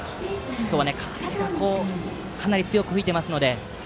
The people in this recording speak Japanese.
今日は風がかなり強く吹いていますので。